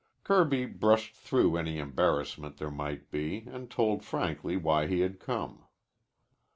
Kirby brushed through any embarrassment there might be and told frankly why he had come.